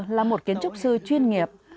là một kiến trúc sư chuyên nghiệp